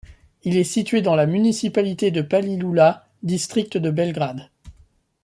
Il est situé dans la municipalité de Palilula, district de Belgrade.